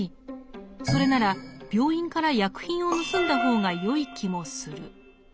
それなら病院から薬品を盗んだ方がよい気もする。